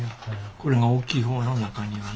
これが大きい方の中庭ね。